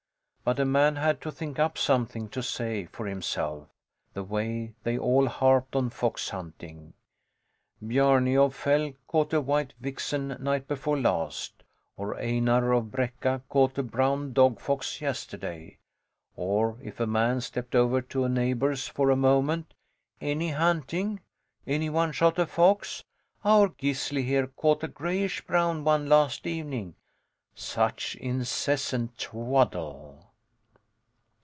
But a man had to think up something to say for himself, the way they all harped on fox hunting: Bjarni of Fell caught a white vixen night before last, or Einar of Brekka caught a brown dog fox yesterday. Or if a man stepped over to a neighbour's for a moment: Any hunting? Anyone shot a fox? Our Gisli here caught a grayish brown one last evening. Such incessant twaddle!